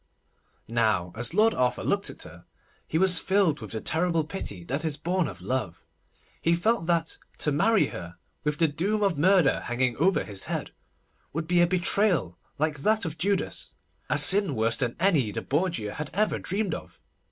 Now as Lord Arthur looked at her, he was filled with the terrible pity that is born of love. He felt that to marry her, with the doom of murder hanging over his head, would be a betrayal like that of Judas, a sin worse than any the Borgia had ever dreamed of.